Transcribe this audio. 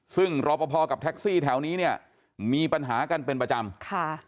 ซึ่งรอปภกับแท็กซี่แถวนี้เนี่ยมีปัญหากันเป็นประจำค่ะ